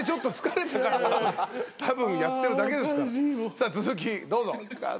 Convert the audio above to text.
さあ続きどうぞ。